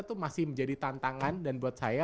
itu masih menjadi tantangan dan buat saya